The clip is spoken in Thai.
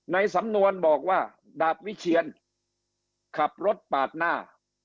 ในสำนวนบอกว่าดาบวิเชียนขับรถปาดหน้า